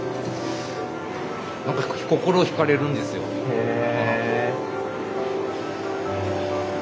へえ！